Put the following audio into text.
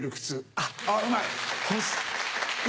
あっうまい！